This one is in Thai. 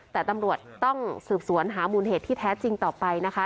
แต่ตำรวจต้องสืบสวนหามูลเหตุที่แท้จริงต่อไปนะคะ